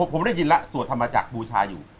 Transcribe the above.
ผมได้ยินแล้วสวดธรรมจักรบูชาอยู่